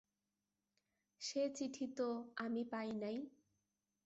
সে চিঠি তো আমি পাই নাই।